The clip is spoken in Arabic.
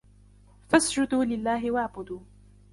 فاسجدوا لله واعبدوا